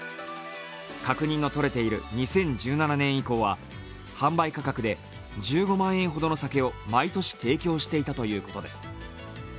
確認のとれている２０１７年以降は販売価格で１５万円ほどの酒を毎年提供していたということです。